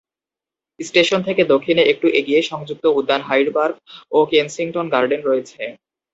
Station থেকে দক্ষিণে একটু এগিয়ে সংযুক্ত উদ্যান হাইড পার্ক ও কেনসিংটন গার্ডেন রয়েছে।